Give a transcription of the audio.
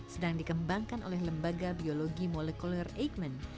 sedang dikembangkan oleh lembaga biologi molekuler eijkman